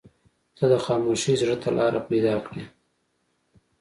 • ته د خاموشۍ زړه ته لاره پیدا کړې.